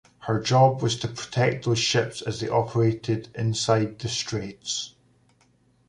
Her job was to protect those ships as they operated inside the straits.